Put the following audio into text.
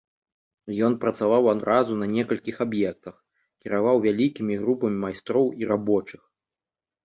Ён працаваў адразу на некалькіх аб'ектах, кіраваў вялікімі групамі майстроў і рабочых.